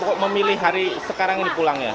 kok memilih hari sekarang ini pulangnya